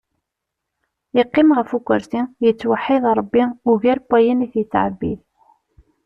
Yeqqim ɣef ukarsi, yettweḥid ṛebbi ugar n wayen it-yettɛebbid.